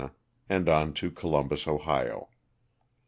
and on to Columbus, Ohio.